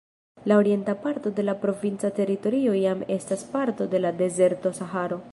La orienta parto de la provinca teritorio jam estas parto de la dezerto Saharo.